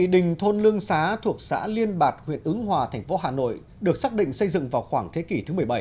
đình thôn lương xá thuộc xã liên bạc huyện ứng hòa thành phố hà nội được xác định xây dựng vào khoảng thế kỷ thứ một mươi bảy